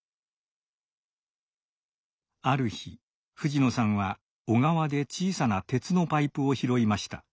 ある日藤野さんは小川で小さな鉄のパイプを拾いました。